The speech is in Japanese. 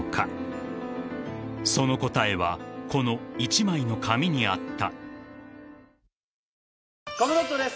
［その答えはこの１枚の紙にあった］